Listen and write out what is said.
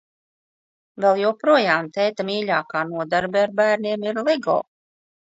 Vēl joprojām tēta mīļākā nodarbe ar bērniem ir lego.